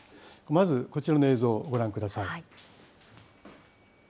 まずこちらの映像、ご覧ください。